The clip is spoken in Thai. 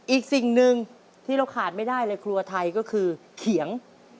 อีกสิ่งหนึ่งที่เราขาดไม่ได้เลยครัวไทยก็คือเขียง